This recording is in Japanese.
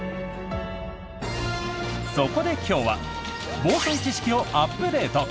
そこで、今日は防災知識をアップデート！